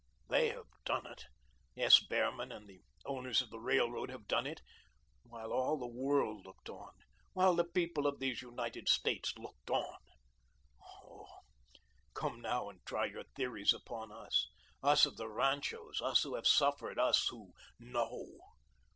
They have done it, S. Behrman and the owners of the railroad have done it, while all the world looked on, while the people of these United States looked on. Oh, come now and try your theories upon us, us of the ranchos, us, who have suffered, us, who KNOW.